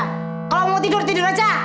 kalau mau tidur tidur aja